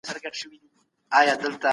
له هېواد څخه مه تښتئ.